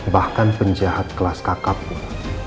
bahkan penjahat kelas kakak pun